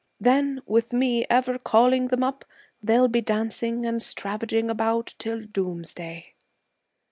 Then, with me ever calling them up, they'll be dancing and stravaging about till doomsday.'